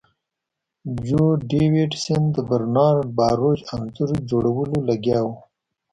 جو ډیویډ سن د برنارډ باروچ انځور جوړولو لګیا و